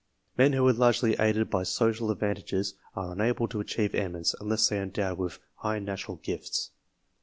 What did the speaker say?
Men who are largely aided by social advantages, are unable to achieve eminence, unless they are endowed with high natural gifts.